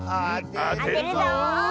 あてるぞ！